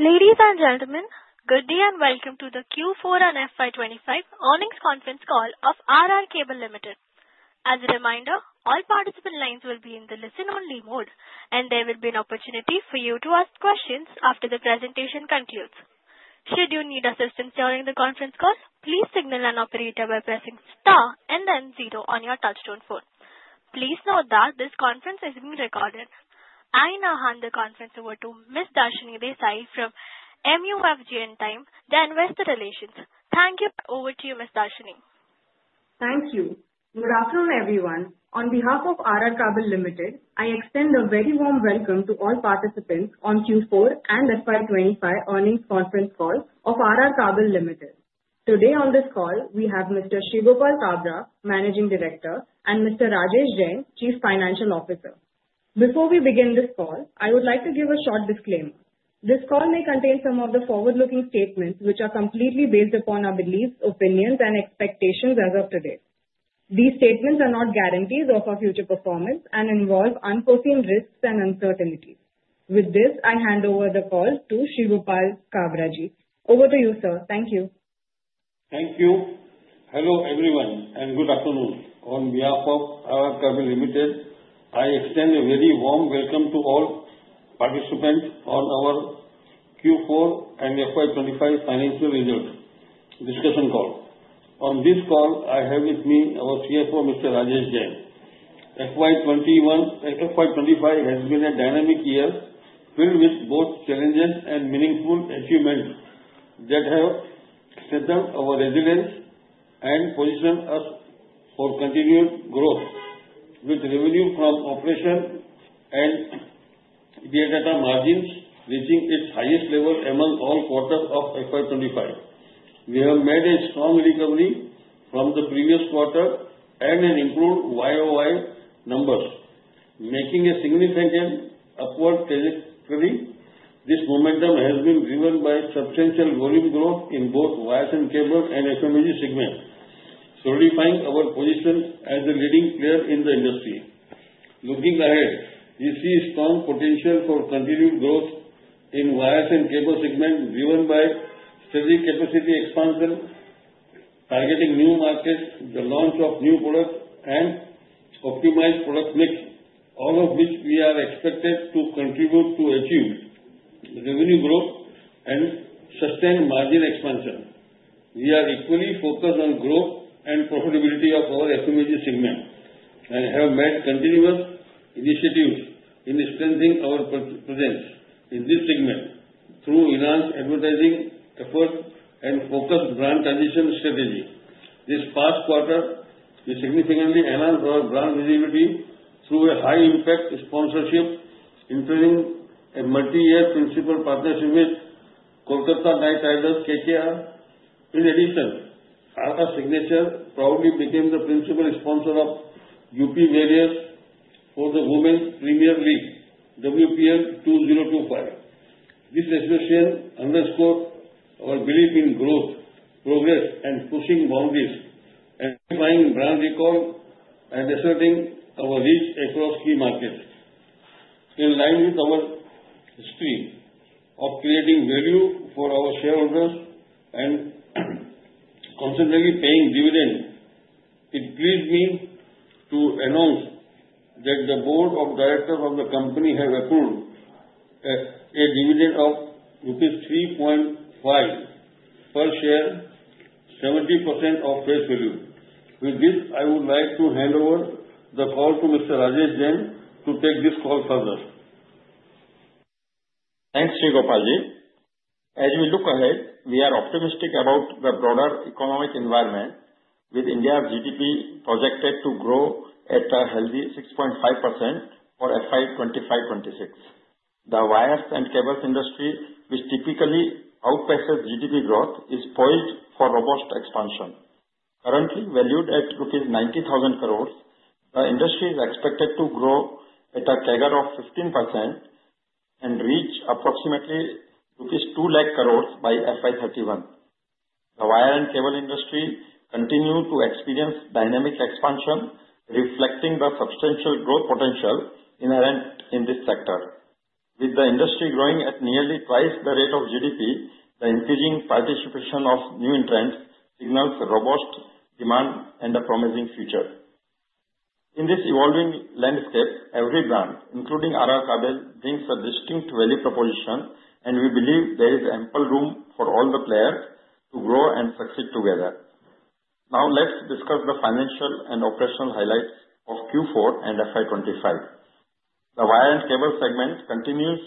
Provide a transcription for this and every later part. Ladies and gentlemen, good day and welcome to the Q4 and FY 2025 earnings conference call of R R Kabel Limited. As a reminder, all participant lines will be in the listen-only mode, and there will be an opportunity for you to ask questions after the presentation concludes. Should you need assistance during the conference call, please signal an operator by pressing star and then zero on your touch-tone phone. Please note that this conference is being recorded. I now hand the conference over to Ms. Darshni Desai from MUFG and team, the Investor Relations. Thank you. Over to you, Ms. Darshini. Thank you. Good afternoon, everyone. On behalf of R R Kabel Limited, I extend a very warm welcome to all participants on Q4 and FY 2025 earnings conference call of R R Kabel Limited. Today on this call, we have Mr. Shreegopal Kabra, Managing Director, and Mr. Rajesh Jain, Chief Financial Officer. Before we begin this call, I would like to give a short disclaimer. This call may contain some of the forward-looking statements, which are completely based upon our beliefs, opinions, and expectations as of today. These statements are not guarantees of our future performance and involve unforeseen risks and uncertainties. With this, I hand over the call to Shreegopal Kabra. Over to you, sir. Thank you. Thank you. Hello everyone and good afternoon. On behalf of R R Kabel Limited, I extend a very warm welcome to all participants on our Q4 and FY 2025 financial results discussion call. On this call, I have with me our CFO, Mr. Rajesh Jain. FY 2025 has been a dynamic year filled with both challenges and meaningful achievements that have set up our resilience and positioned us for continued growth with revenue from operations and EBITDA margins reaching its highest level among all quarters of FY 2025. We have made a strong recovery from the previous quarter and an improved YoY numbers, making a significant upward trajectory. This momentum has been driven by substantial volume growth in both wires and cables and FMEG segment, solidifying our position as a leading player in the industry. Looking ahead, we see strong potential for continued growth in wires and cables segment, driven by steady capacity expansion, targeting new markets, the launch of new products, and optimized product mix, all of which we are expected to contribute to achieve revenue growth and sustain margin expansion. We are equally focused on growth and profitability of our FMEG segment and have made continuous initiatives in strengthening our presence in this segment through enhanced advertising efforts and focused brand transition strategy. This past quarter, we significantly enhanced our brand visibility through a high-impact sponsorship, entering a multi-year principal partnership with Kolkata Knight Riders KKR. In addition, our brand proudly became the principal sponsor of UP Warriorz for the Women's Premier League, WPL 2025. This association underscores our belief in growth, progress, and pushing boundaries, amplifying brand recall and asserting our reach across key markets. In line with our history of creating value for our shareholders and consistently paying dividends, it pleased me to announce that the board of directors of the company has accrued a dividend of rupees 3.5 per share, 70% of face value. With this, I would like to hand over the call to Mr. Rajesh Jain to take this call further. Thanks, Shreegopal ji. As we look ahead, we are optimistic about the broader economic environment, with India's GDP projected to grow at a healthy 6.5% for FY 2025- FY 2026. The wires and cables industry, which typically outpaces GDP growth, is poised for robust expansion. Currently valued at rupees 90,000 crores, the industry is expected to grow at a CAGR of 15% and reach approximately 2 lakh crores by FY 2031. The wire and cable industry continues to experience dynamic expansion, reflecting the substantial growth potential inherent in this sector. With the industry growing at nearly twice the rate of GDP, the increasing participation of new entrants signals robust demand and a promising future. In this evolving landscape, every brand, including R R Kabel, brings a distinct value proposition, and we believe there is ample room for all the players to grow and succeed together. Now, let's discuss the financial and operational highlights of Q4 and FY 2025. The wire and cable segment continues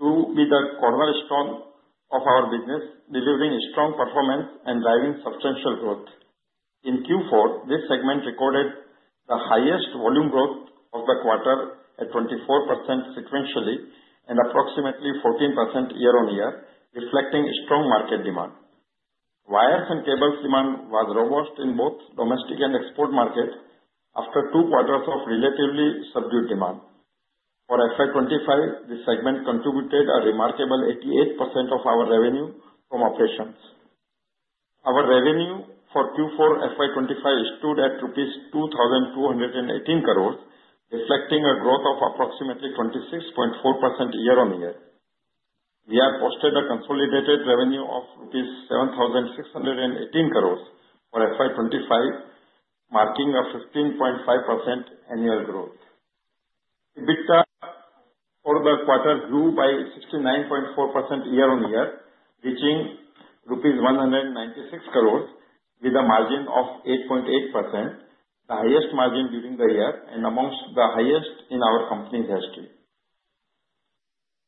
to be the cornerstone of our business, delivering strong performance and driving substantial growth. In Q4, this segment recorded the highest volume growth of the quarter at 24% sequentially and approximately 14% year-on-year, reflecting strong market demand. Wires and cables demand was robust in both domestic and export markets after two quarters of relatively subdued demand. For FY 2025, this segment contributed a remarkable 88% of our revenue from operations. Our revenue for Q4 FY 2025 stood at rupees 2,218 crores, reflecting a growth of approximately 26.4% year-on-year. We have posted a consolidated revenue of INR 7,618 crores for FY 2025, marking a 15.5% annual growth. EBITDA for the quarter grew by 69.4% year-on-year, reaching rupees 196 crores, with a margin of 8.8%, the highest margin during the year and among the highest in our company's history.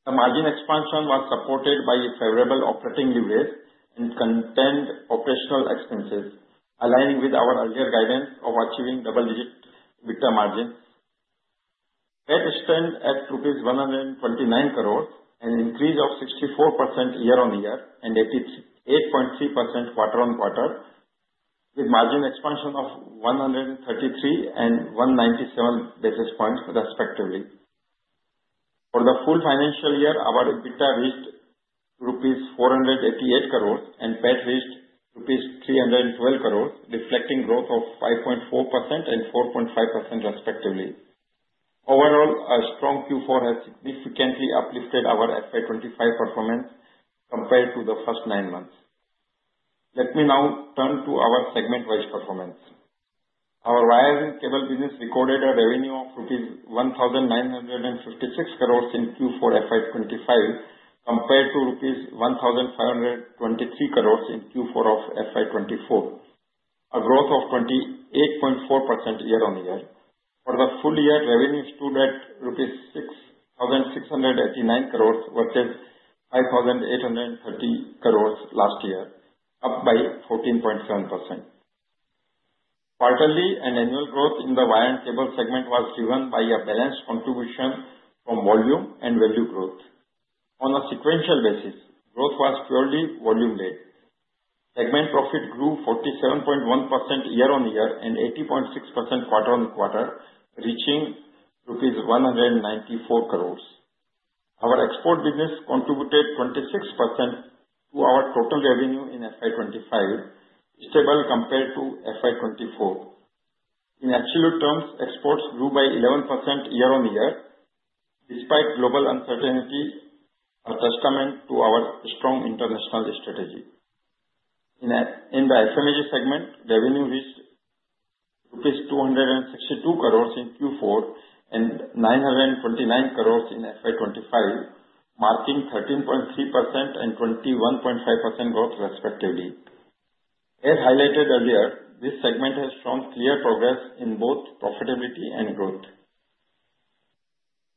The margin expansion was supported by favorable operating leverage and contained operational expenses, aligning with our earlier guidance of achieving double-digit EBITDA margins. EBITDA stood at INR 129 crores, an increase of 64% year-on-year and 88.3% quarter-on-quarter, with margin expansion of 133 and 197 basis points, respectively. For the full financial year, our EBITDA reached rupees 488 crores and PAT reached rupees 312 crores, reflecting growth of 5.4% and 4.5%, respectively. Overall, a strong Q4 has significantly uplifted our FY 2025 performance compared to the first nine months. Let me now turn to our segment-wise performance. Our wires and cable business recorded a revenue of rupees 1,956 crores in Q4 FY 2025 compared to rupees 1,523 crores in Q4 of FY 2024, a growth of 28.4% year-on-year. For the full year, revenue stood at rupees 6,689 crores versus 5,830 crores last year, up by 14.7%. Quarterly and annual growth in the wire and cable segment was driven by a balanced contribution from volume and value growth. On a sequential basis, growth was purely volume-led. Segment profit grew 47.1% year-on-year and 80.6% quarter-on-quarter, reaching rupees 194 crores. Our export business contributed 26% to our total revenue in FY 2025, stable compared to FY 2024. In absolute terms, exports grew by 11% year-on-year, despite global uncertainties, a testament to our strong international strategy. In the FMEG segment, revenue reached rupees 262 crores in Q4 and 929 crores in FY 2025, marking 13.3% and 21.5% growth, respectively. As highlighted earlier, this segment has shown clear progress in both profitability and growth.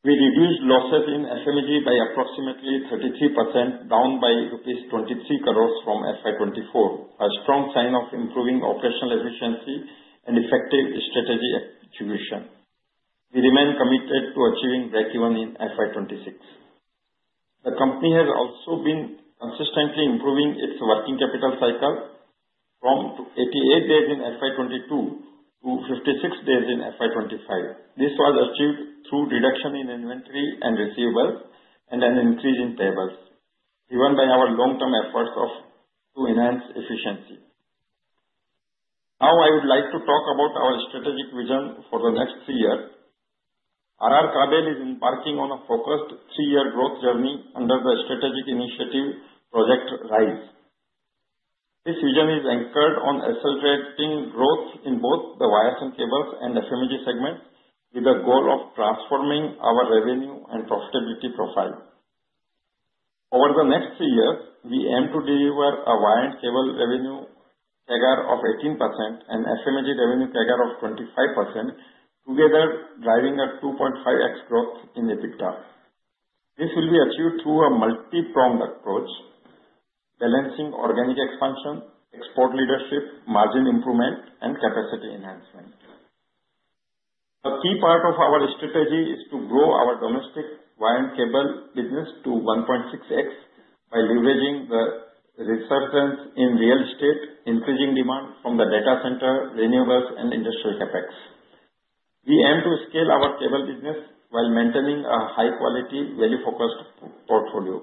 We reduced losses in FMEG by approximately 33%, down by rupees 23 crores from FY 2024, a strong sign of improving operational efficiency and effective strategy execution. We remain committed to achieving break-even in FY 2026. The company has also been consistently improving its working capital cycle, from 88 days in FY 2022 to 56 days in FY 2025. This was achieved through reduction in inventory and receivables and an increase in payables, driven by our long-term efforts to enhance efficiency. Now, I would like to talk about our strategic vision for the next three years. R R Kabel is embarking on a focused three-year growth journey under the strategic initiative Project RISE. This vision is anchored on accelerating growth in both the wires and cables and FMEG segment, with a goal of transforming our revenue and profitability profile. Over the next three years, we aim to deliver a wire and cable revenue CAGR of 18% and FMEG revenue CAGR of 25%, together driving a 2.5x growth in EBITDA. This will be achieved through a multi-pronged approach, balancing organic expansion, export leadership, margin improvement, and capacity enhancement. A key part of our strategy is to grow our domestic wire and cable business to 1.6x by leveraging the resurgence in real estate, increasing demand from the data center, renewables, and industrial CapEx. We aim to scale our cable business while maintaining a high-quality, value-focused portfolio.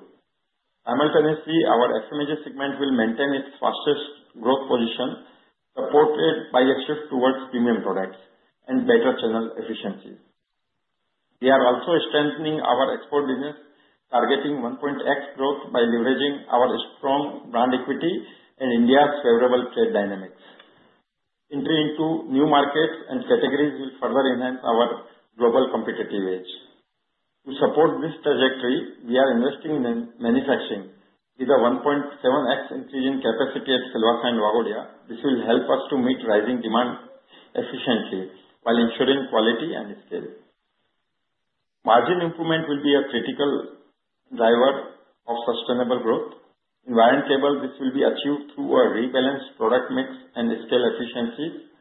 Simultaneously, our FMEG segment will maintain its fastest growth position, supported by a shift towards premium products and better channel efficiencies. We are also strengthening our export business, targeting 1.x growth by leveraging our strong brand equity and India's favorable trade dynamics. Entry into new markets and categories will further enhance our global competitive edge. To support this trajectory, we are investing in manufacturing, with a 1.7x increase in capacity at Silvassa and Waghodia. This will help us to meet rising demand efficiently while ensuring quality and scale. Margin improvement will be a critical driver of sustainable growth. In wire and cable, this will be achieved through a rebalanced product mix and scale efficiencies.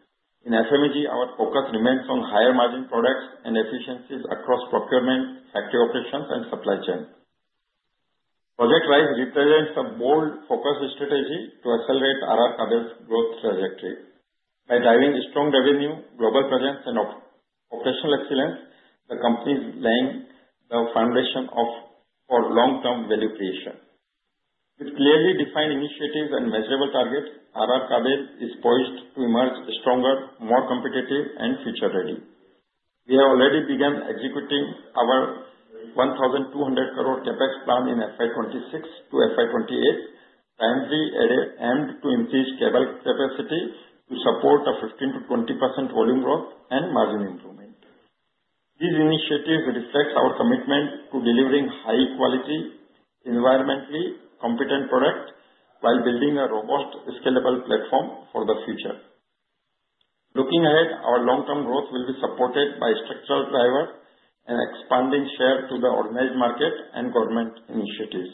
In FMEG, our focus remains on higher margin products and efficiencies across procurement, factory operations, and supply chain. Project RISE represents a bold focus strategy to accelerate R R Kabel's growth trajectory. By driving strong revenue, global presence, and operational excellence, the company is laying the foundation for long-term value creation. With clearly defined initiatives and measurable targets, R R Kabel is poised to emerge stronger, more competitive, and future-ready. We have already begun executing our 1,200 crore CapEx plan in FY 2026 to FY 2028, primarily aimed to increase cable capacity to support a 15%-20% volume growth and margin improvement. These initiatives reflect our commitment to delivering high-quality, environmentally competent products while building a robust, scalable platform for the future. Looking ahead, our long-term growth will be supported by structural drivers and expanding share to the organized market and government initiatives.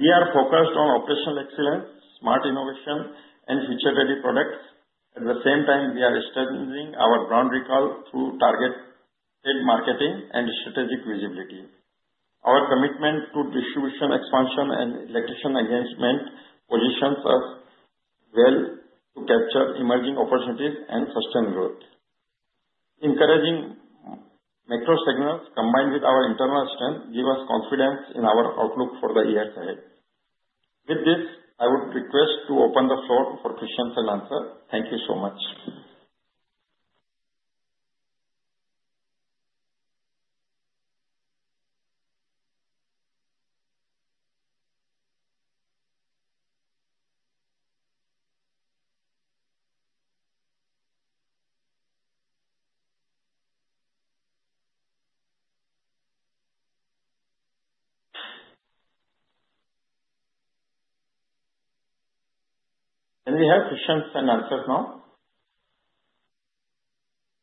We are focused on operational excellence, smart innovation, and future-ready products. At the same time, we are strengthening our brand recall through targeted marketing and strategic visibility. Our commitment to distribution expansion and electrician enhancement positions us well to capture emerging opportunities and sustain growth. Encouraging macro signals combined with our internal strength give us confidence in our outlook for the years ahead. With this, I would request to open the floor for questions and answers. Thank you so much. Can we have questions and answers now?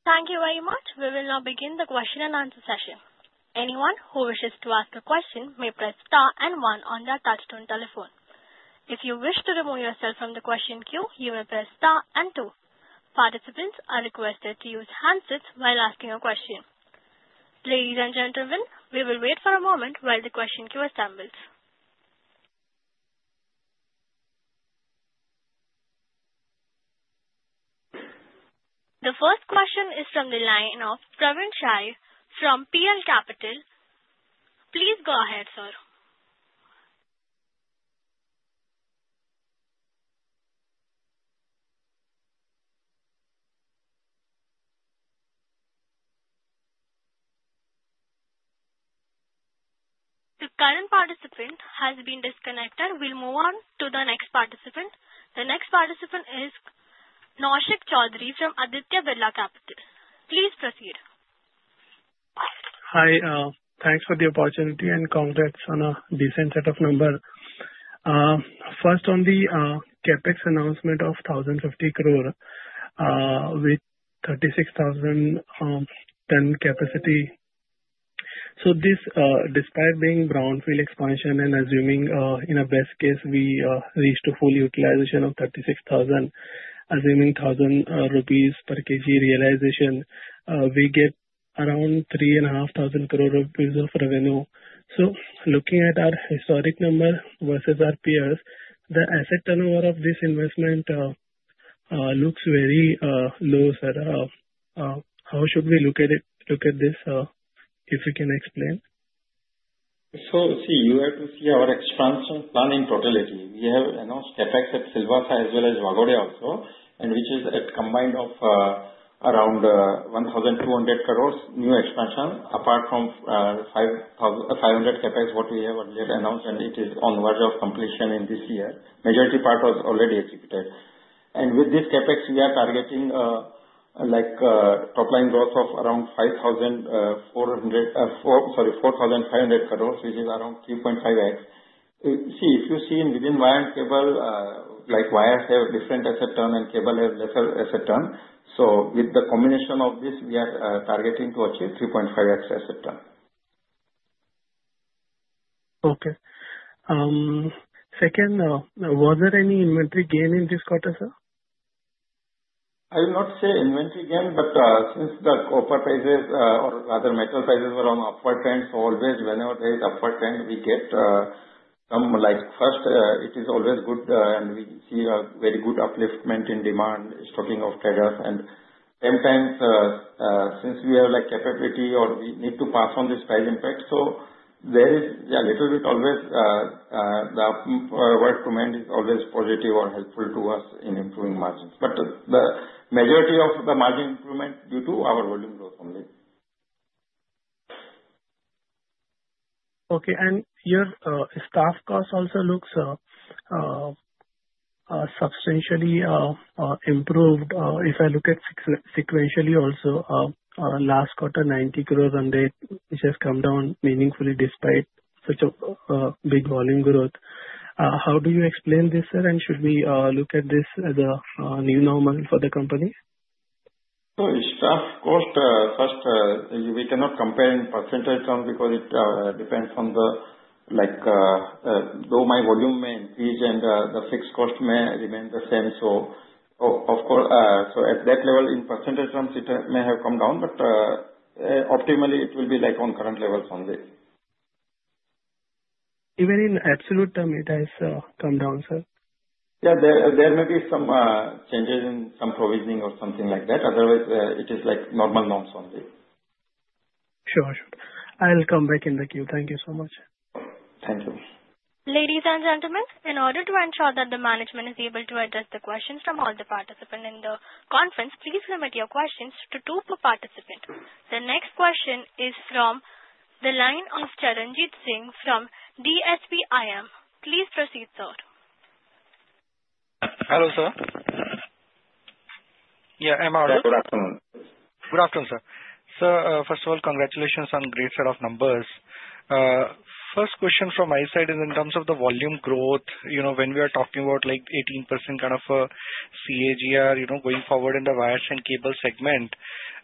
Thank you very much. We will now begin the question and answer session. Anyone who wishes to ask a question may press star and one on their touch-tone telephone. If you wish to remove yourself from the question queue, you may press star and two. Participants are requested to use handsets while asking a question. Ladies and gentlemen, we will wait for a moment while the question queue assembles. The first question is from the line of Praveen Sahay from PL Capital. Please go ahead, sir. The current participant has been disconnected. We'll move on to the next participant. The next participant is Naushad Chaudhary from Aditya Birla Capital. Please proceed. Hi. Thanks for the opportunity and congrats on a decent set of numbers. First, on the CapEx announcement of 1,050 crore with 36,000 capacity. So this, despite being brownfield expansion and assuming, in a best case, we reached a full utilization of 36,000, assuming 1,000 rupees per kg realization, we get around 3,500 crore rupees of revenue. So looking at our historic number versus our peers, the asset turnover of this investment looks very low. How should we look at this? If you can explain? So see, you have to see our expansion plan in totality. We have announced CapEx at Silvassa as well as Waghodia also, which is a combined of around 1,200 crores new expansion. Apart from 500 CapEx, what we have already announced, and it is on the verge of completion in this year. The majority part was already executed. And with this CapEx, we are targeting a top-line growth of around 4,500 crores, which is around 3.5x. See, if you see within wire and cable, wires have different asset turn, and cable has lesser asset turn. So with the combination of this, we are targeting to achieve 3.5x asset turn. Okay. Second, was there any inventory gain in this quarter, sir? I will not say inventory gain, but since the copper prices, or rather metal prices, were on upward trend, so always whenever there is upward trend, we get some. First, it is always good, and we see a very good upliftment in demand, stocking of traders. And sometimes, since we have capability or we need to pass on this price impact, so there is a little bit always the working capital is always positive or helpful to us in improving margins. But the majority of the margin improvement is due to our volume growth only. Okay. And your staff cost also looks substantially improved. If I look at sequentially also, last quarter, 90 crores employee cost, which has come down meaningfully despite such a big volume growth. How do you explain this, sir? And should we look at this as a new normal for the company? So staff cost, first, we cannot compare in percentage terms because it depends on the throughput, my volume may increase and the fixed cost may remain the same. So at that level, in percentage terms, it may have come down, but optimally, it will be on current levels only. Even in absolute terms, it has come down, sir? Yeah. There may be some changes in some provisioning or something like that. Otherwise, it is normal norms only. Sure. I'll come back in the queue. Thank you so much. Thank you. Ladies and gentlemen, in order to ensure that the management is able to address the questions from all the participants in the conference, please limit your questions to two per participant. The next question is from the line of Charanjit Singh from DSPIM. Please proceed, sir. Hello, sir. Yeah, I'm out. Good afternoon. Good afternoon, sir. So first of all, congratulations on a great set of numbers. First question from my side is in terms of the volume growth. When we are talking about 18% kind of CAGR going forward in the wires and cable segment,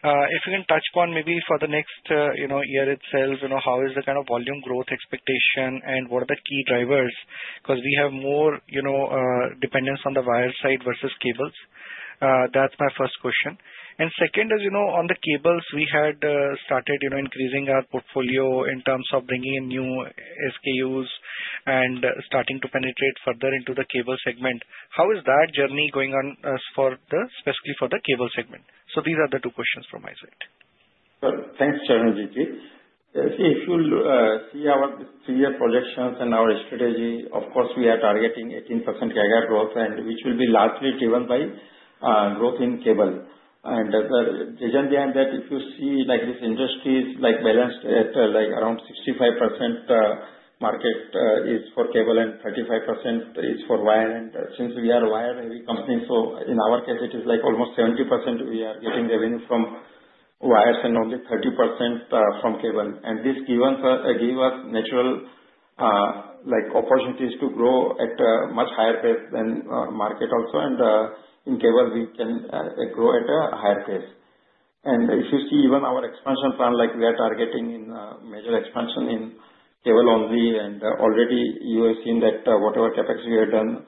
if you can touch upon maybe for the next year itself, how is the kind of volume growth expectation and what are the key drivers? Because we have more dependence on the wire side versus cables. That's my first question. And second is, on the cables, we had started increasing our portfolio in terms of bringing in new SKUs and starting to penetrate further into the cable segment. How is that journey going on for the cable segment? So these are the two questions from my side. Thanks, Charanjit Singh. If you see our three-year projections and our strategy, of course, we are targeting 18% CAGR growth, which will be largely driven by growth in cable. And the reason behind that, if you see these industries balanced at around 65% market is for cable and 35% is for wire. And since we are a wire-heavy company, so in our case, it is almost 70% we are getting revenue from wires and only 30% from cable. And this gives us natural opportunities to grow at a much higher pace than market also. And in cable, we can grow at a higher pace. And if you see even our expansion plan, we are targeting major expansion in cable only. And already, you have seen that whatever CapEx we have done,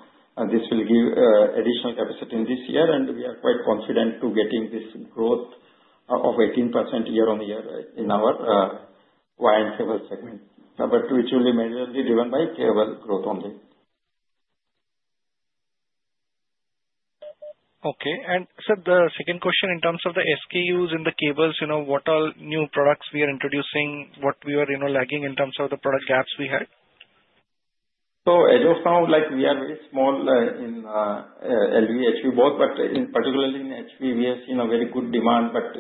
this will give additional capacity in this year. We are quite confident in getting this growth of 18% year-on-year in our wire and cable segment, which will be majorly driven by cable growth only. Okay. And sir, the second question in terms of the SKUs in the cables, what are new products we are introducing? What we are lagging in terms of the product gaps we had? So as of now, we are very small in LV HV both, but particularly in HV, we have seen a very good demand. But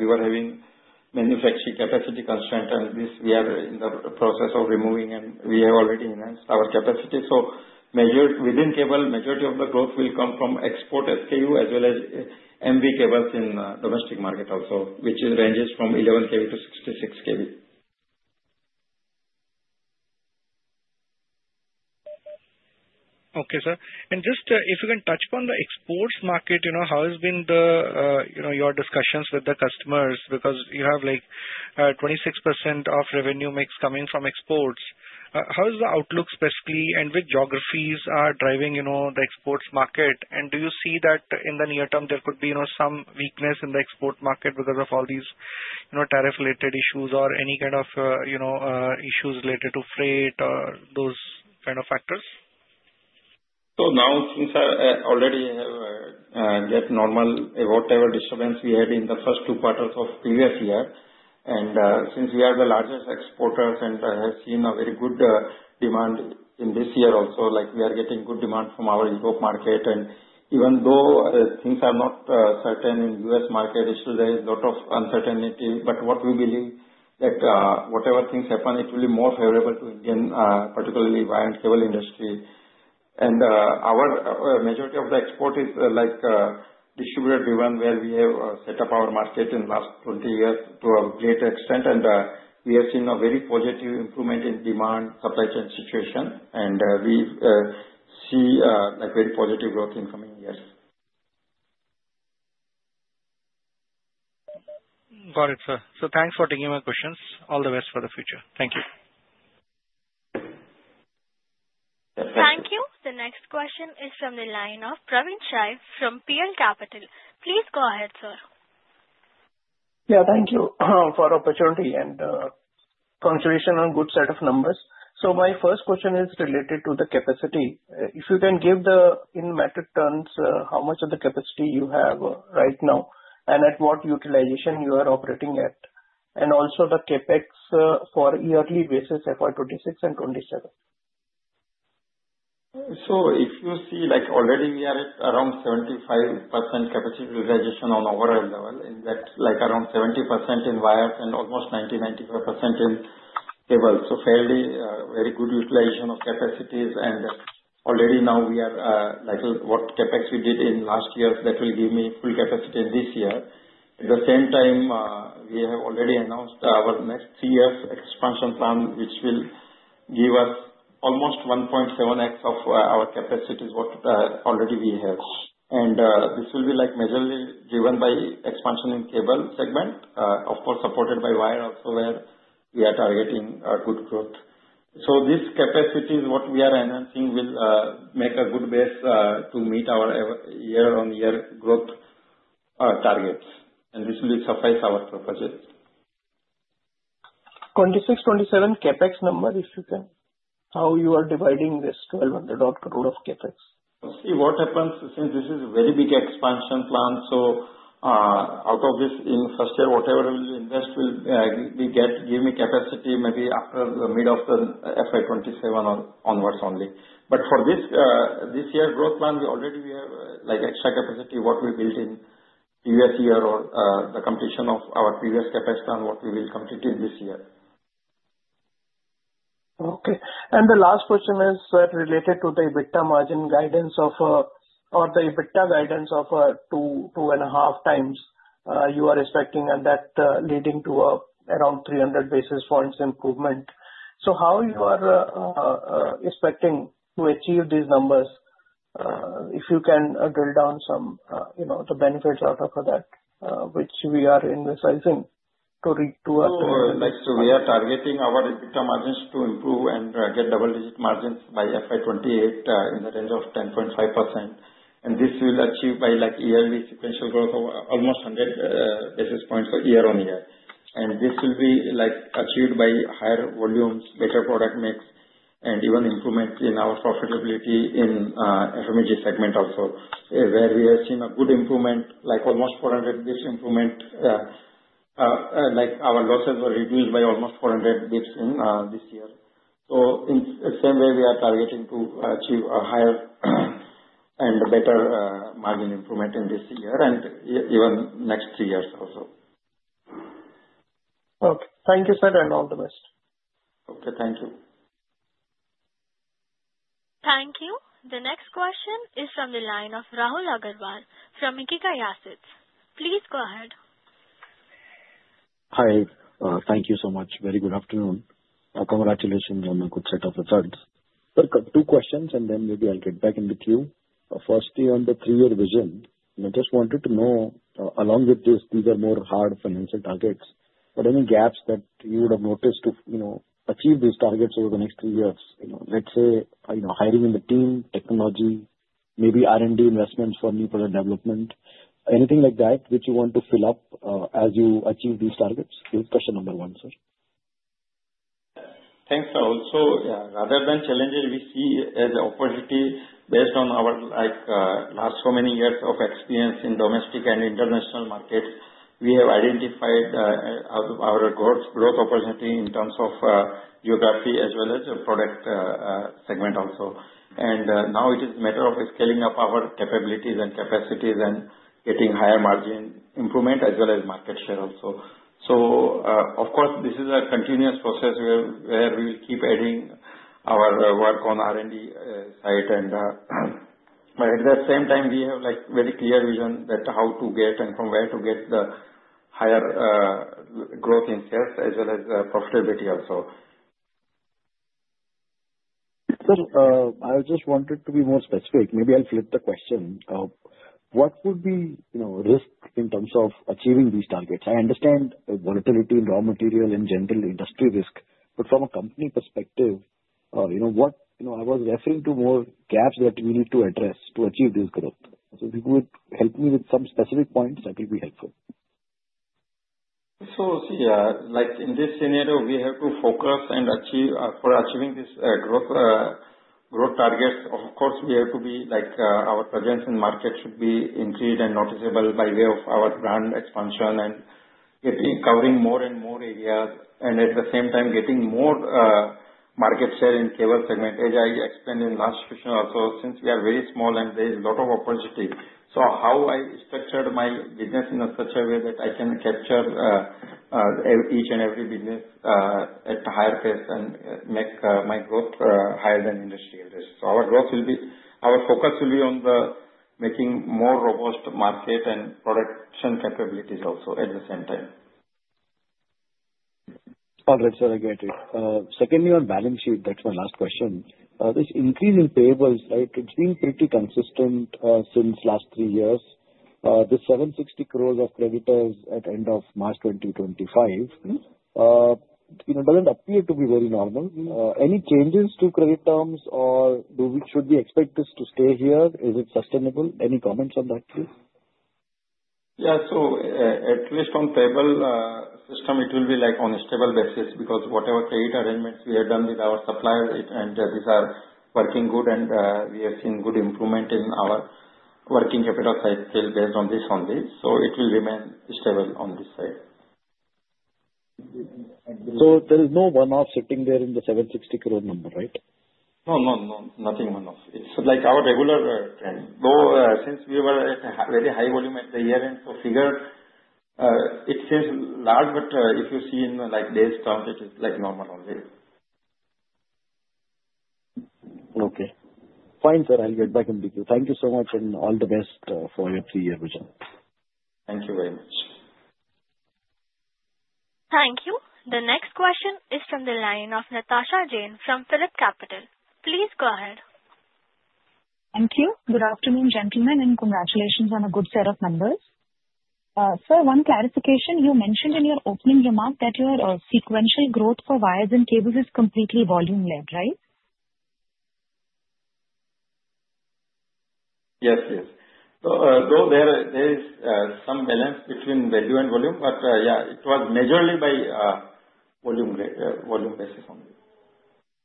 we were having manufacturing capacity constraint, and this we are in the process of removing. And we have already enhanced our capacity. So within cable, the majority of the growth will come from export SKU as well as MV cables in the domestic market also, which ranges from 11 kV to 66 kV. Okay, sir. And just if you can touch upon the exports market, how has been your discussions with the customers? Because you have 26% of revenue mix coming from exports. How is the outlook specifically? And which geographies are driving the exports market? And do you see that in the near term there could be some weakness in the export market because of all these tariff-related issues or any kind of issues related to freight or those kind of factors? So now, since I already have that normal whatever disturbance we had in the first two quarters of previous year, and since we are the largest exporters and have seen a very good demand in this year also, we are getting good demand from our Europe market, and even though things are not certain in the U.S. market, there is a lot of uncertainty, but what we believe is that whatever things happen, it will be more favorable to Indian, particularly wire and cable industry, and our majority of the export is distribution-driven where we have set up our market in the last 20 years to a greater extent, and we have seen a very positive improvement in demand-supply chain situation, and we see very positive growth in coming years. Got it, sir. So thanks for taking my questions. All the best for the future. Thank you. Thank you. The next question is from the line of Praveen Sahay from PL Capital. Please go ahead, sir. Yeah, thank you for the opportunity and congratulations on a good set of numbers. So my first question is related to the capacity. If you can give in metric terms how much of the capacity you have right now and at what utilization you are operating at, and also the CapEx for yearly basis FY 2026 and FY 2027. So if you see, already we are at around 75% capacity utilization on overall level, and that's around 70% in wires and almost 90%-95% in cables. So fairly very good utilization of capacities. And already now we are what CapEx we did in last year that will give me full capacity in this year. At the same time, we have already announced our next three-year expansion plan, which will give us almost 1.7x of our capacities what already we have. And this will be majorly driven by expansion in cable segment, of course, supported by wire also where we are targeting good growth. So this capacity is what we are announcing will make a good base to meet our year-on-year growth targets. And this will suffice our purposes. 2026, 2027 CapEx number, if you can, how you are dividing this 1,200 crore of CapEx? See, what happens is this is a very big expansion plan. So out of this, in first year, whatever we invest will give me capacity maybe after the mid of the FY 2027 or onwards only. But for this year's growth plan, we already have extra capacity what we built in previous year or the completion of our previous CapEx plan, what we will complete in this year. Okay. And the last question is related to the EBITDA margin guidance or the EBITDA guidance of two and a half times you are expecting, and that leading to around 300 basis points improvement. So how you are expecting to achieve these numbers if you can drill down some of the benefits out of that, which we are in this sizing to reach to? So we are targeting our EBITDA margins to improve and get double-digit margins by FY 2028 in the range of 10.5%. And this will achieve by yearly sequential growth of almost 100 basis points year on year. And this will be achieved by higher volumes, better product mix, and even improvement in our profitability in FMEG segment also, where we have seen a good improvement, almost 400 basis points improvement. Our losses were reduced by almost 400 basis points in this year. So in the same way, we are targeting to achieve a higher and better margin improvement in this year and even next three years also. Okay. Thank you, sir, and all the best. Okay. Thank you. Thank you. The next question is from the line of Rahul Agarwal from Ikigai Asset. Please go ahead. Hi. Thank you so much. Very good afternoon. Congratulations on a good set of results, so I've got two questions, and then maybe I'll get back in the queue. Firstly, on the three-year vision, I just wanted to know, along with this, these are more hard financial targets, but any gaps that you would have noticed to achieve these targets over the next three years? Let's say hiring in the team, technology, maybe R&D investments for new product development, anything like that which you want to fill up as you achieve these targets is question number one, sir. Thanks, Rahul. So rather than challenges, we see as an opportunity based on our last so many years of experience in domestic and international markets. We have identified our growth opportunity in terms of geography as well as product segment also. And now it is a matter of scaling up our capabilities and capacities and getting higher margin improvement as well as market share also. So of course, this is a continuous process where we will keep adding our work on R&D side. And at the same time, we have a very clear vision that how to get and from where to get the higher growth in sales as well as profitability also. Sir, I just wanted to be more specific. Maybe I'll flip the question. What would be the risk in terms of achieving these targets? I understand volatility in raw material and general industry risk. But from a company perspective, what I was referring to more gaps that we need to address to achieve this growth. So if you could help me with some specific points, that will be helpful. So, see, in this scenario, we have to focus for achieving these growth targets. Of course, we have to be our presence in market should be increased and noticeable by way of our brand expansion and covering more and more areas. And at the same time, getting more market share in cable segment, as I explained in the last question also, since we are very small and there is a lot of opportunity. So how I structured my business in such a way that I can capture each and every business at a higher pace and make my growth higher than industry average. So our focus will be on making more robust market and production capabilities also at the same time. All right, sir. I got it. Secondly, on balance sheet, that's my last question. This increase in payables has been pretty consistent since last three years. The 760 crores of creditors at the end of March 2025 doesn't appear to be very normal. Any changes to credit terms, or should we expect this to stay here? Is it sustainable? Any comments on that, please? Yeah. At least on the payable system, it will be on a stable basis because whatever credit arrangements we have done with our suppliers, and these are working good, and we have seen good improvement in our working capital side still based on this. It will remain stable on this side. So there is no one-off sitting there in the 760 crore number, right? No, no, no. Nothing one-off. It's our regular trend. Though since we were at a very high volume at the year-end, so figure it seems large, but if you see in days terms, it is normal only. Okay. Fine, sir. I'll get back in the queue. Thank you so much, and all the best for your three-year vision. Thank you very much. Thank you. The next question is from the line of Natasha Jain from PhillipCapital. Please go ahead. Thank you. Good afternoon, gentlemen, and congratulations on a good set of numbers. Sir, one clarification. You mentioned in your opening remark that your sequential growth for wires and cables is completely volume-led, right? Yes, yes. Though there is some balance between value and volume, but yeah, it was measured by volume basis only.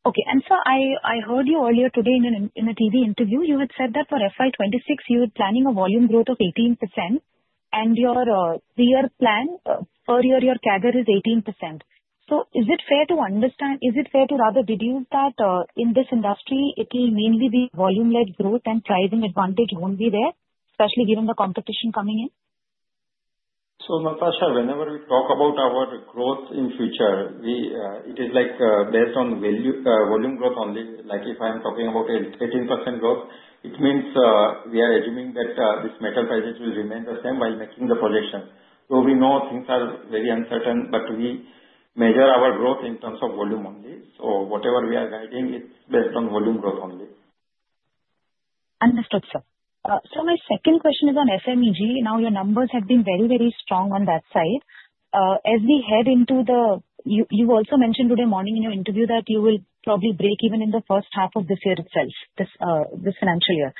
Okay. And, sir, I heard you earlier today in a TV interview. You had said that for FY 2026, you were planning a volume growth of 18%, and your three-year plan, per year, your CAGR is 18%. So, is it fair to rather deduce that in this industry, it will mainly be volume-led growth and pricing advantage only there, especially given the competition coming in? Natasha, whenever we talk about our growth in future, it is based on volume growth only. If I'm talking about 18% growth, it means we are assuming that this metal prices will remain the same while making the projection. We know things are very uncertain, but we measure our growth in terms of volume only. Whatever we are guiding, it's based on volume growth only. Understood, sir. So my second question is on FMEG. Now, your numbers have been very, very strong on that side. As we head into the year, you also mentioned today morning in your interview that you will probably break even in the first half of this year itself, this financial year.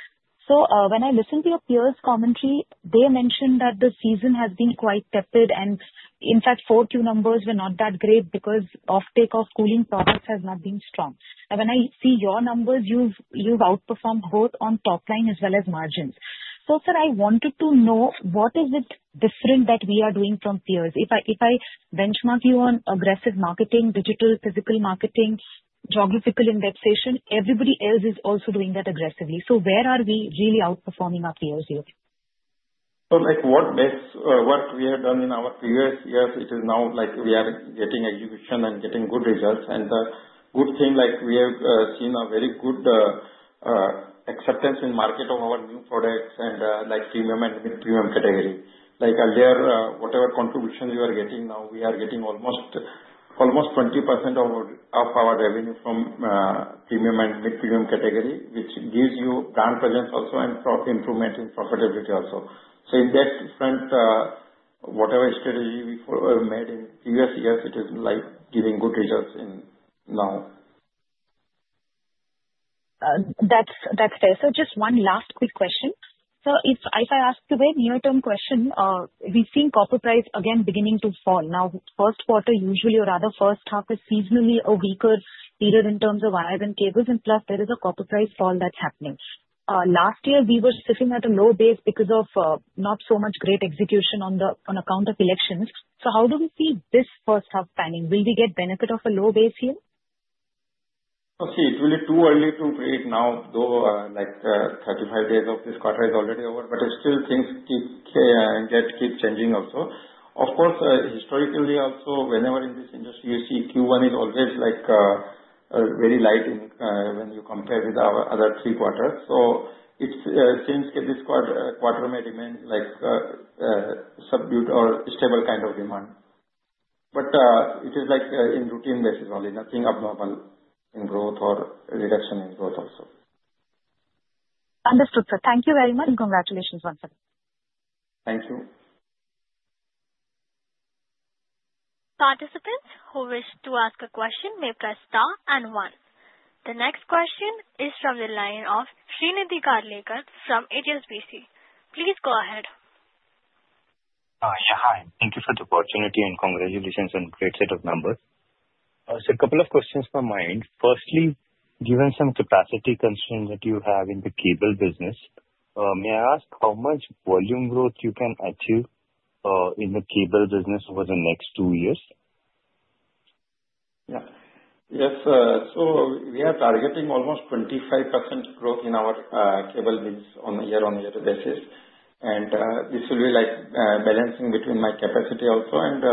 So when I listened to your peers' commentary, they mentioned that the season has been quite tepid. And in fact, Q4 numbers were not that great because the takeoff of cooling products has not been strong. And when I see your numbers, you've outperformed both on top line as well as margins. So sir, I wanted to know what is it different that we are doing from peers? If I benchmark you on aggressive marketing, digital, physical marketing, geographical indexation, everybody else is also doing that aggressively. So where are we really outperforming our peers here? So, what we have done in our previous years, it is now we are getting execution and getting good results. And the good thing, we have seen a very good acceptance in market of our new products and premium and mid-premium category. Earlier, whatever contribution we were getting, now we are getting almost 20% of our revenue from premium and mid-premium category, which gives you brand presence also and improvement in profitability also. So, in that front, whatever strategy we made in previous years, it is giving good results now. That's fair. So just one last quick question. So if I ask you a very near-term question, we've seen copper price, again, beginning to fall. Now, first quarter, usually, or rather first half, is seasonally a weaker period in terms of wires and cables, and plus there is a copper price fall that's happening. Last year, we were sitting at a low base because of not so much great execution on account of elections. So how do we see this first half panning out? Will we get benefit of a low base here? See, it will be too early to predict now, though 35 days of this quarter is already over, but still things keep changing also. Of course, historically also, whenever in this industry, you see Q1 is always very light when you compare with our other three quarters. So it seems that this quarter may remain subdued or stable kind of demand. But it is in routine basis only, nothing abnormal in growth or reduction in growth also. Understood, sir. Thank you very much, and congratulations once again. Thank you. Participants who wish to ask a question may press star and one. The next question is from the line of Shrinidhi Karlekar from HSBC. Please go ahead. Yeah. Hi. Thank you for the opportunity and congratulations on a great set of numbers. So a couple of questions from my end. Firstly, given some capacity concerns that you have in the cable business, may I ask how much volume growth you can achieve in the cable business over the next two years? Yeah. Yes. So we are targeting almost 25% growth in our cable business on a year-on-year basis. And this will be balancing between my capacity also and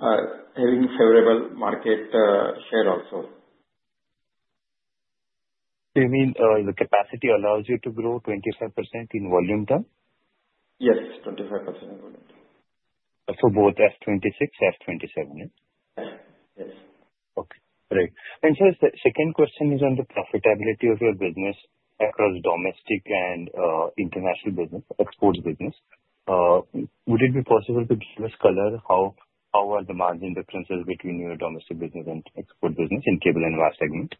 having favorable market share also. Do you mean the capacity allows you to grow 25% in volume term? Yes, 25% in volume term. So both FY 2026, FY 2027, yeah? Yes. Yes. Okay. Great. And sir, the second question is on the profitability of your business across domestic and international business, export business. Would it be possible to give us color how are the margin differences between your domestic business and export business in cable and wire segment?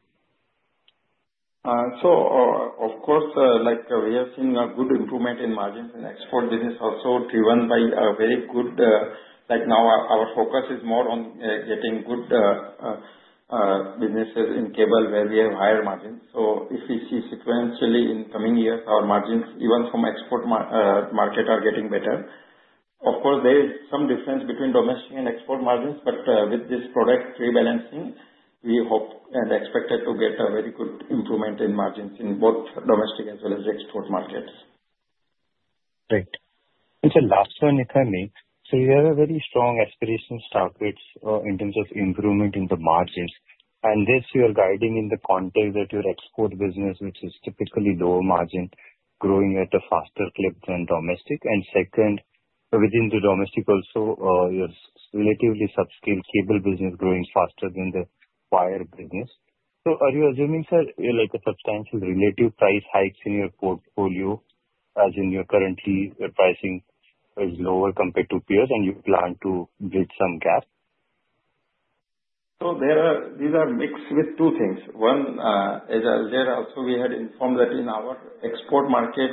So, of course, we have seen a good improvement in margins in export business also driven by a very good now our focus is more on getting good businesses in cable where we have higher margins. So if we see sequentially in coming years, our margins, even from export market, are getting better. Of course, there is some difference between domestic and export margins, but with this product rebalancing, we hope and expect to get a very good improvement in margins in both domestic as well as export markets. Great. And sir, last one, if I may. So you have a very strong aspirational start in terms of improvement in the margins. And this, you are guiding in the context that your export business, which is typically lower margin, growing at a faster clip than domestic. And second, within the domestic also, your relatively subscale cable business growing faster than the wire business. So are you assuming, sir, a substantial relative price hikes in your portfolio as your current pricing is lower compared to peers, and you plan to bridge some gap? So these are mixed with two things. One, as I said also, we had informed that in our export market,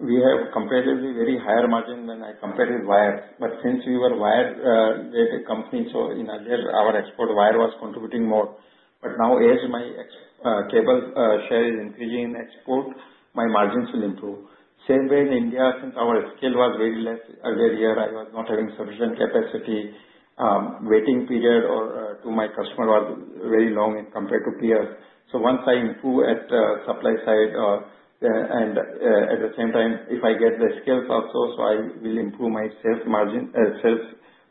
we have comparatively very higher margin when I compare with wires. But since we were a wire-related company, so in our export, wire was contributing more. But now, as my cable share is increasing in export, my margins will improve. Same way in India, since our scale was very less earlier year, I was not having sufficient capacity. Waiting period to my customer was very long compared to peers. So once I improve at the supply side, and at the same time, if I get the skills also, so I will improve my sales margin, sales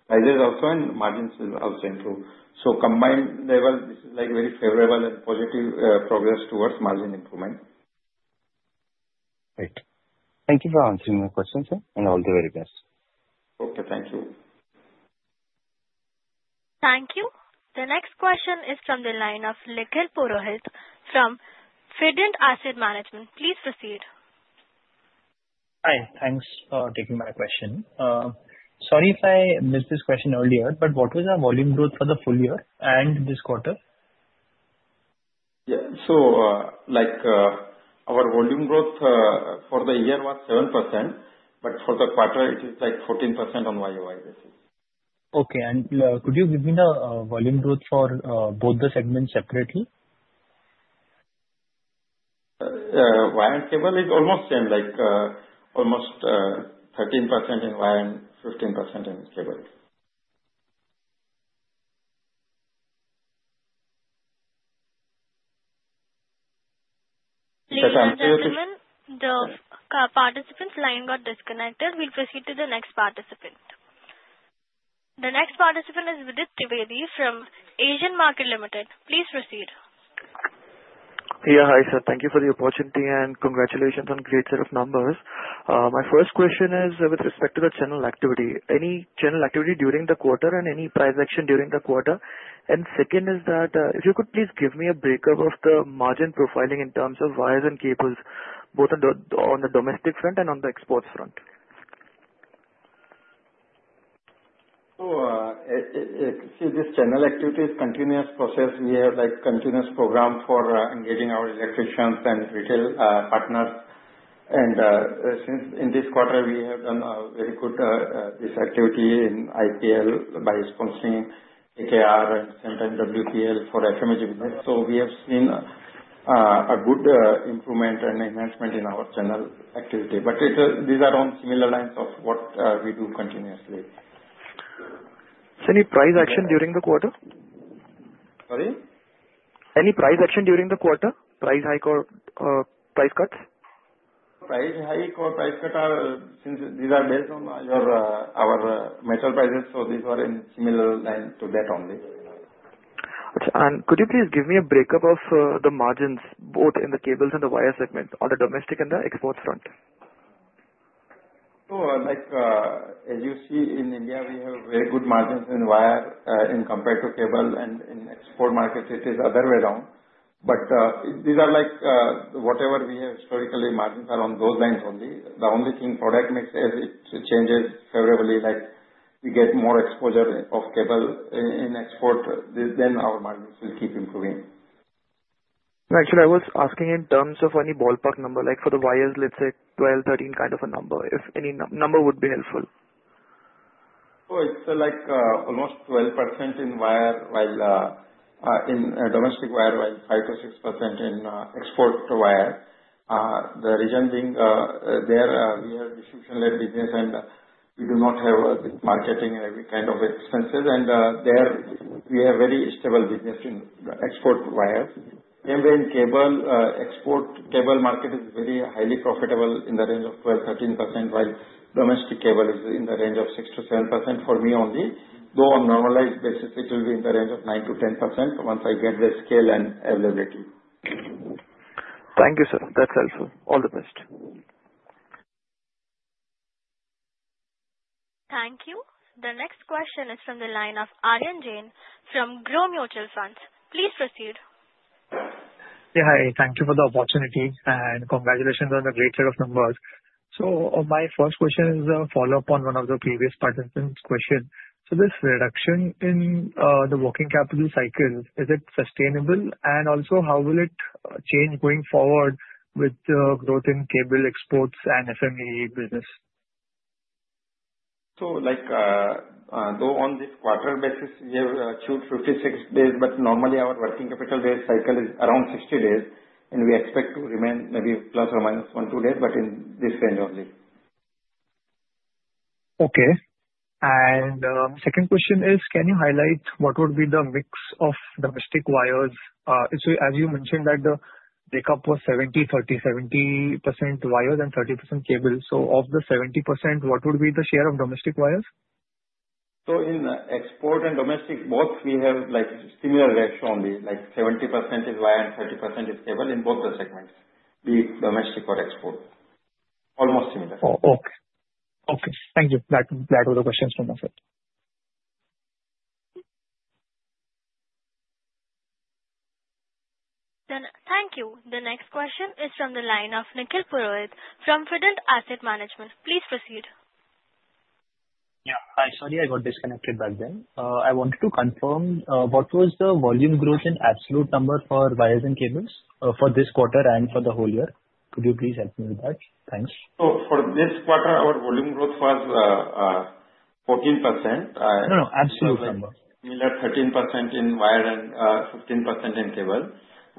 prices also, and margins will also improve. So combined level, this is very favorable and positive progress towards margin improvement. Great. Thank you for answering my question, sir, and all the very best. Okay. Thank you. Thank you. The next question is from the line of Nikhil Purohit from Fident Asset Management. Please proceed. Hi. Thanks for taking my question. Sorry if I missed this question earlier, but what was our volume growth for the full year and this quarter? Yeah, so our volume growth for the year was 7%, but for the quarter, it is 14% on YoY basis. Okay, and could you give me the volume growth for both the segments separately? Wire and cable is almost same, almost 13% in wire and 15% in cable. Please wait a moment. The participant's line got disconnected. We'll proceed to the next participant. The next participant is Vidit Trivedi from Asian Market Securities. Please proceed. Yeah. Hi, sir. Thank you for the opportunity and congratulations on a great set of numbers. My first question is with respect to the channel activity. Any channel activity during the quarter and any price action during the quarter? And second is that if you could please give me a break-up of the margin profiling in terms of wires and cables, both on the domestic front and on the exports front? This channel activity is a continuous process. We have continuous programs for engaging our electricians and retail partners. And since in this quarter, we have done a very good activity in IPL by sponsoring KKR and same time WPL for FMEG business. We have seen a good improvement and enhancement in our channel activity. But these are on similar lines of what we do continuously. So any price action during the quarter? Sorry? Any price action during the quarter? Price hike or price cuts? Price hike or price cut are since these are based on our metal prices, so these are in similar lines to that only. Okay, and could you please give me a break-up of the margins, both in the cables and the wires segment, on the domestic and the export front? So as you see, in India, we have very good margins in wires in compared to cables, and in export markets, it is the other way round. But these are whatever we have historically, margins are on those lines only. The only thing product mix is, it changes favorably. We get more exposure of cables in export, then our margins will keep improving. Actually, I was asking in terms of any ballpark number. For the wires, let's say 12, 13 kind of a number, if any number would be helpful. So it's almost 12% in wire while in domestic wire, while 5%-6% in export wire. The reason being there, we are distribution-led business, and we do not have marketing and every kind of expenses. And there, we have very stable business in export wires. Same way in cable, export cable market is very highly profitable in the range of 12%-13%, while domestic cable is in the range of 6%-7% for me only. Though on normalized basis, it will be in the range of 9%-10% once I get the scale and availability. Thank you, sir. That's helpful. All the best. Thank you. The next question is from the line of Aryan Jain from Groww Mutual Fund. Please proceed. Yeah. Hi. Thank you for the opportunity and congratulations on the great set of numbers. So my first question is a follow-up on one of the previous participants' questions. So this reduction in the working capital cycle, is it sustainable? And also, how will it change going forward with the growth in cable exports and FMEG business? Though on this quarter basis, we have achieved 56 days, but normally our working capital-based cycle is around 60 days, and we expect to remain maybe plus or minus one to two days, but in this range only. Okay. And second question is, can you highlight what would be the mix of domestic wires? So as you mentioned that the breakup was 70/30, 70% wires and 30% cables. So of the 70%, what would be the share of domestic wires? In export and domestic, both we have similar ratio only. 70% is wire and 30% is cable in both the segments, be it domestic or export. Almost similar. Okay. Thank you. That was the question from my side. Thank you. The next question is from the line of Nikhil Purohit from Fident Asset Management. Please proceed. Yeah. Hi. Sorry, I got disconnected back then. I wanted to confirm, what was the volume growth in absolute number for wires and cables for this quarter and for the whole year? Could you please help me with that? Thanks. So for this quarter, our volume growth was 14%. No, no. Absolute number. Similar 13% in wire and 15% in cable.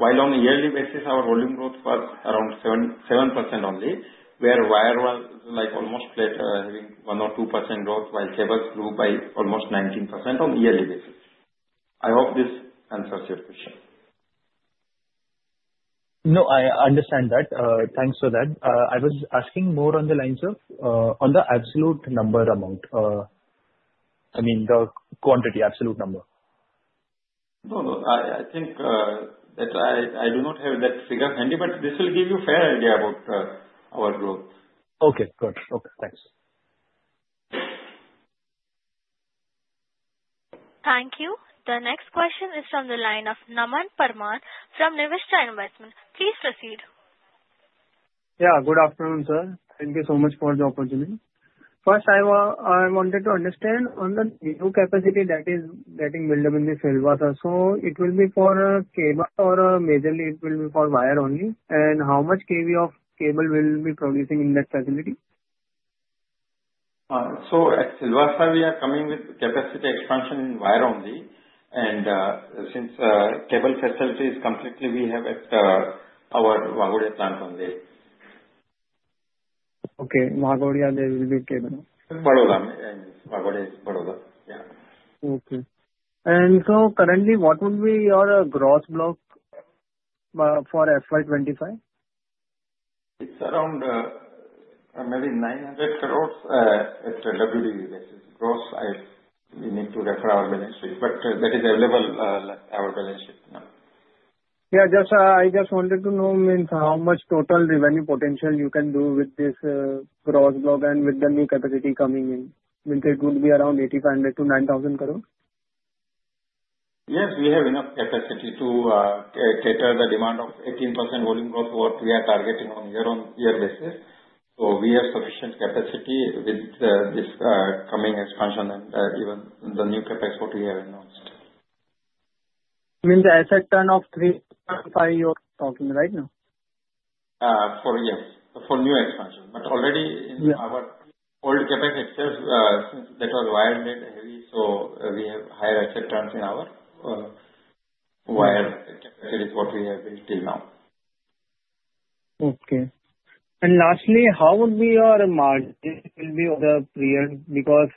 While on a yearly basis, our volume growth was around 7% only, where wire was almost flat, having 1% or 2% growth, while cables grew by almost 19% on a yearly basis. I hope this answers your question. No, I understand that. Thanks for that. I was asking more on the lines of the absolute number amount, I mean, the quantity, absolute number. No, no. I think that I do not have that figure handy, but this will give you a fair idea about our growth. Okay. Got it. Okay. Thanks. Thank you. The next question is from the line of Naman Parmar from Niveshaay Investment. Please proceed. Yeah. Good afternoon, sir. Thank you so much for the opportunity. First, I wanted to understand on the new capacity that is getting built up in this Silvassa. So it will be for cable or majorly it will be for wire only? And how much kV of cable will be producing in that facility? So, at Silvassa, we are coming with capacity expansion in wire only. And since cable facility is complete, we have at our Waghodia plant only. Okay. Waghodia, yeah, there will be cable. It's Baroda. Waghodia is Baroda. Yeah. Okay. And so currently, what would be your gross block for FY 2025? It's around maybe 900 crores at Waghodia basis. Gross, we need to refer to our balance sheet, but that is available, our balance sheet now. Yeah. I just wanted to know how much total revenue potential you can do with this gross block and with the new capacity coming in. It would be around INR 8,500 crores-INR 9,000 crores? Yes. We have enough capacity to cater the demand of 18% volume growth, what we are targeting on year-on-year basis. So we have sufficient capacity with this coming expansion and even the new CapEx, what we have announced. Means asset turn of 3.5. You're talking right now? Yes. For new expansion. But already in our old CapEx, it says that was wire-led heavy, so we have higher asset turns in our wire CapEx, which is what we have built till now. Okay. And lastly, how would be your margin? This will be the period because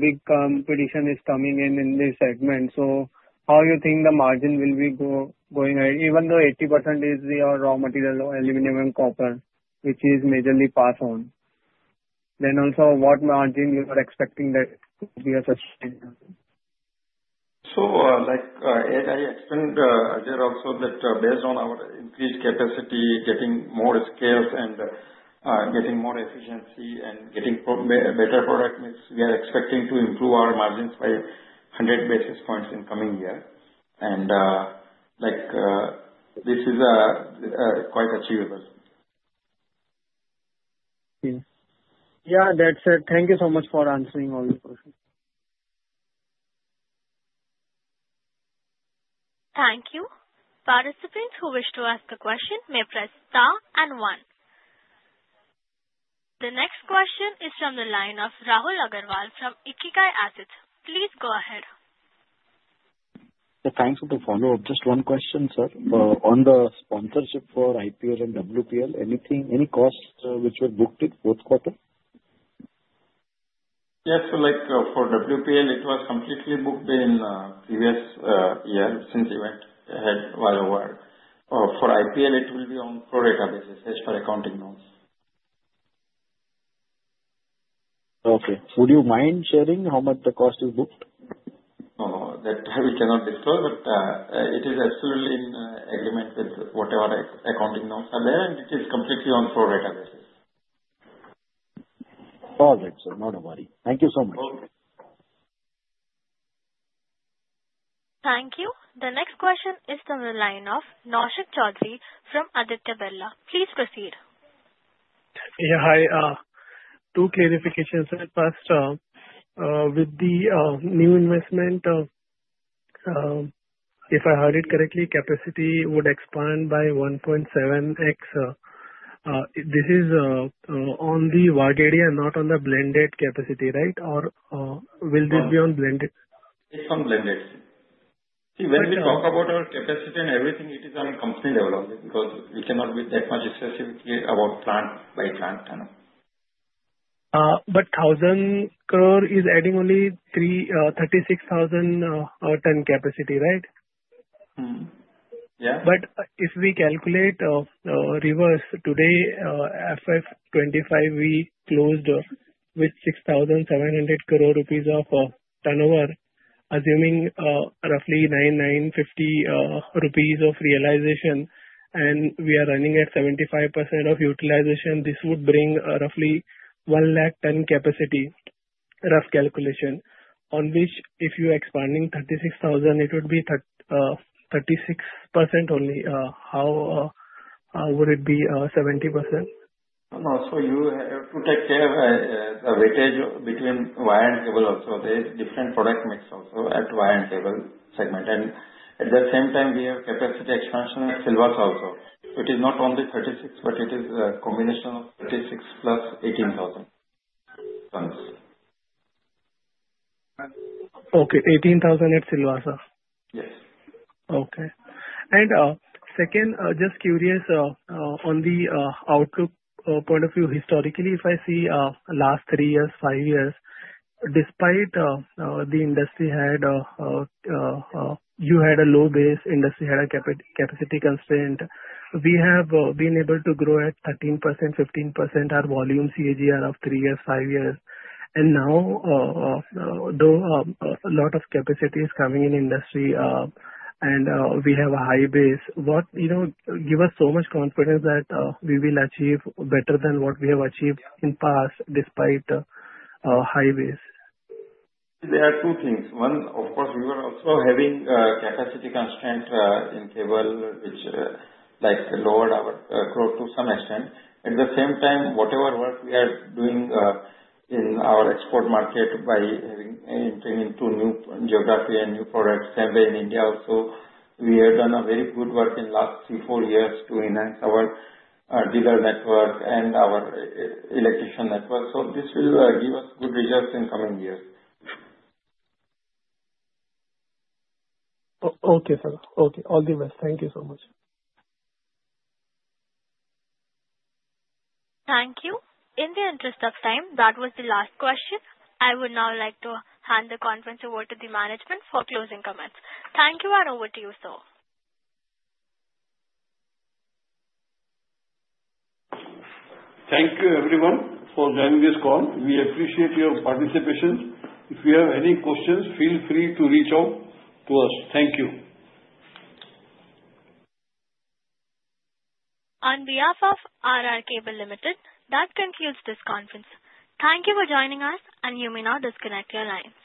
big competition is coming in this segment. So how do you think the margin will be going ahead? Even though 80% is your raw material or aluminum and copper, which is majorly passed on, then also what margin you are expecting that will be a sustainable? So as I explained also that based on our increased capacity, getting more scales and getting more efficiency and getting better product mix, we are expecting to improve our margins by 100 basis points in coming year. And this is quite achievable. Okay. Yeah. That's it. Thank you so much for answering all the questions. Thank you. Participants who wish to ask a question may press star and one. The next question is from the line of Rahul Agarwal from Ikigai Asset. Please go ahead. Thanks for the follow-up. Just one question, sir. On the sponsorship for IPL and WPL, any costs which were booked in both quarters? Yes. For WPL, it was completely booked in previous year since event ahead while over. For IPL, it will be on pro-rata basis as per accounting notes. Okay. Would you mind sharing how much the cost is booked? No, that we cannot disclose, but it is absolutely in agreement with whatever accounting notes are there, and it is completely on pro-rata basis. Perfect, sir. Not a worry. Thank you so much. Okay. Thank you. The next question is from the line of Naushad Chaudhary from Aditya Birla Capital. Please proceed. Yeah. Hi. Two clarifications, sir. First, with the new investment, if I heard it correctly, capacity would expand by 1.7x. This is on the Waghodia and not on the blended capacity, right? Or will this be on blended? It's on blended. See, when we talk about our capacity and everything, it is on company development because we cannot be that much specific about plant by plant. But 1,000 crore is adding only 36,000 tons capacity, right? Yeah. But if we calculate reverse, today, FY 2025 closed with 6,700 crore rupees of turnover, assuming roughly 9,950 rupees of realization, and we are running at 75% of utilization, this would bring roughly 1 lakh ton capacity, rough calculation, on which if you're expanding 36,000, it would be 36% only. How would it be 70%? No. So you have to take care of the weightage between wire and cable also. There is different product mix also at wire and cable segment. And at the same time, we have capacity expansion at Silvassa also. So it is not only 36,000 tons, but it is a combination of 36,000 tons + 18,000 tons. Okay. 18,000 at Silvassa? Yes. Okay. And second, just curious on the outlook point of view. Historically, if I see last three years, five years, despite the industry had, you had a low base, industry had a capacity constraint, we have been able to grow at 13%, 15% our volume CAGR of three years, five years. And now, though a lot of capacity is coming in industry and we have a high base, what gives us so much confidence that we will achieve better than what we have achieved in the past despite high base? There are two things. One, of course, we were also having capacity constraint in cable, which lowered our growth to some extent. At the same time, whatever work we are doing in our export market by entering into new geography and new products, same way in India also, we have done a very good work in the last three, four years to enhance our dealer network and our electrician network. So this will give us good results in coming years. Okay, sir. Okay. All the best. Thank you so much. Thank you. In the interest of time, that was the last question. I would now like to hand the conference over to the management for closing comments. Thank you, and over to you, sir. Thank you, everyone, for joining this call. We appreciate your participation. If you have any questions, feel free to reach out to us. Thank you. On behalf of R R Kabel Limited, that concludes this conference. Thank you for joining us, and you may now disconnect your line.